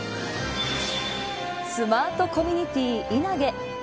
スマートコミュニティ稲毛。